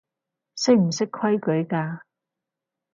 識唔識規矩㗎